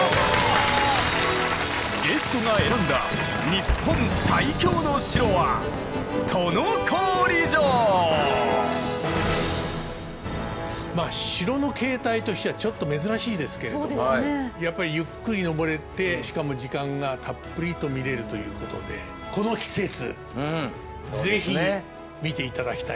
ゲストが選んだまあ城の形態としてはちょっと珍しいですけれどもやっぱりゆっくり登れてしかも時間がたっぷりと見れるということでこの季節是非見て頂きたい。